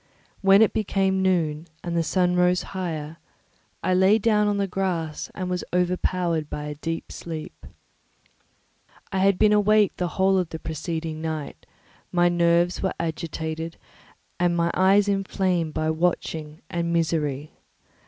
When it became noon, and the sun rose higher, I lay down on the grass and was overpowered by a deep sleep. I had been awake the whole of the preceding night, my nerves were agitated, and my eyes inflamed by watching and misery.